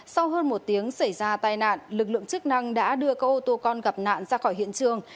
sau hơn một tiếng xảy ra tai nạn lực lượng chức năng đã đưa các ô tô con gặp nạn ra khỏi hiện trường